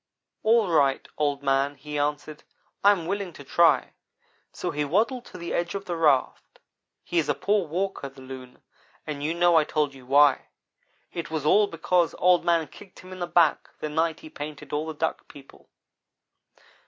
"'All right, Old man,' he answered, 'I am willing to try'; so he waddled to the edge of the raft. He is a poor walker the Loon, and you know I told you why. It was all because Old man kicked him in the back the night he painted all the Duck people.